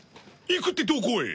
行くってどこへ？